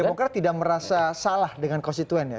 demokrat tidak merasa salah dengan konstituen ya